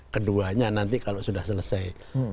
keduanya nanti kalau sudah selesai